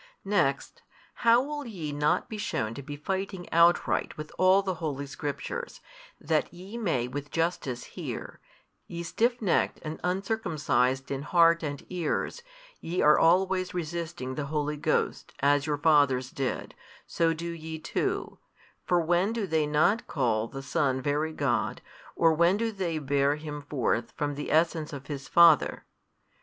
Next, how will ye not be shewn to be fighting outright with all the holy Scriptures, that ye may with justice hear, Ye stiffnecked and uncircumcised in heart and ears, YE are always resisting the Holy Ghost: as your fathers did, so do YE too, for when do they not call the Son Very God, or |268 when do they bear Him forth from the Essence of His Father?